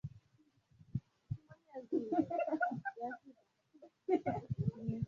hakuna anayeweza akamsengenya mwenzie na asijue anasema nini